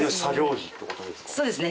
そうですね